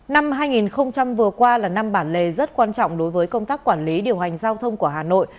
năm hai nghìn vừa qua là năm bản lề rất quan trọng đối với công tác quản lý điều hành giao thông của hà nội